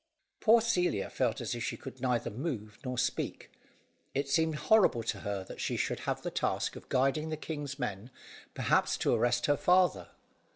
Poor Celia felt as if she could neither move nor speak. It seemed horrible to her that she should have the task of guiding the king's men, perhaps to arrest her father.